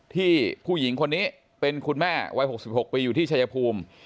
ผู้หญิงคนนี้เป็นคุณแม่วัย๖๖ปีอยู่ที่ชายภูมิ